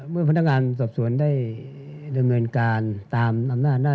เกิดเหตุทุนวายเกิดเหตุที่อันตราย